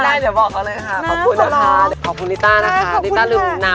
ได้เดี๋ยวบอกเอาเลยค่ะขอบคุณนะคะขอบคุณลิต้านะคะลิต้าลืมนะ